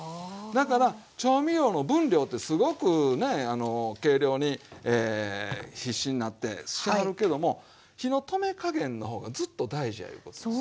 だから調味料の分量ってすごくねあの計量に必死になってしはるけども火の止め加減の方がずっと大事やいうことですよ。